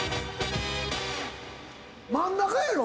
真ん中やろ？